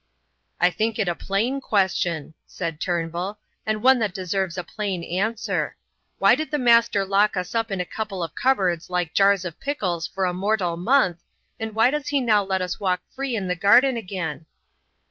"I think it a plain question," said Turnbull, "and one that deserves a plain answer. Why did the Master lock us up in a couple of cupboards like jars of pickles for a mortal month, and why does he now let us walk free in the garden again?"